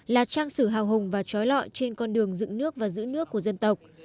là trang sử hào hùng và trói lọi trên con đường dựng nước và giữ nước của dân tộc